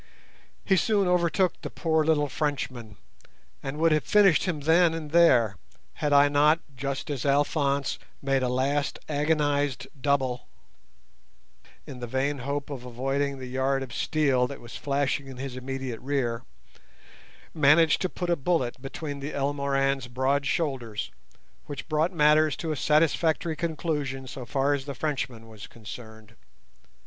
He soon overtook the poor little Frenchman, and would have finished him then and there had I not, just as Alphonse made a last agonized double in the vain hope of avoiding the yard of steel that was flashing in his immediate rear, managed to plant a bullet between the Elmoran's broad shoulders, which brought matters to a satisfactory conclusion so far as the Frenchman was concerned.